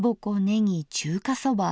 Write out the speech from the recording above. ねぎ中華そば。